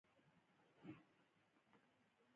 دې چوکۍ لپاره درې سوه اویا زره ډالره ولګول.